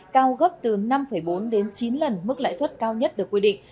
cao gấp từ năm bốn đến chín lần mức lãi suất cao nhất được quy định